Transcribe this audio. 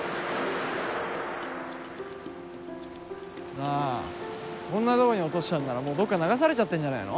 なあこんな所に落としたんならもうどっか流されちゃってんじゃねえの？